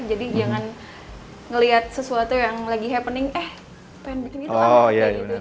jadi jangan melihat sesuatu yang lagi happening eh pengen bikin ini doang